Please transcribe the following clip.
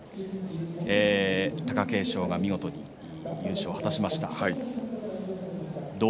貴景勝が見事に優勝を果たしました。